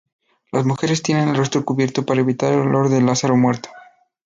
Las mujeres tienen el rostro cubierto para evitar el olor de Lázaro muerto.